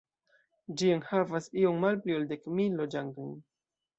Ĝi enhavas iom malpli ol dek mil loĝantojn.